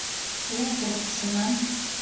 Ул ҡурҡышынан: